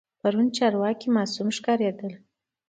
پرون چارواکي معصوم ښکارېدل.